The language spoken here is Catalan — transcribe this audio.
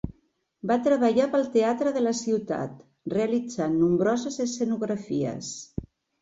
Va treballar pel teatre de la ciutat, realitzant nombroses escenografies.